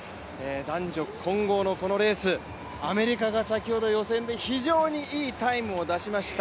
男女混合のこのレース、アメリカが先ほど予選で非常にいいタイムを出しました。